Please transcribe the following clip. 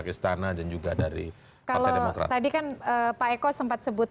ini kan jadi nggak fair